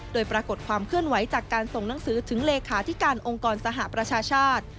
โดยปรากฏความเคลื่อนไหวจากการส่งหนังสือถึงเลขาธิการองค์กรสหประชาชาติ